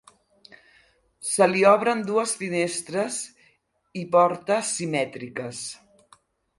Se li obren dues finestres i porta simètriques.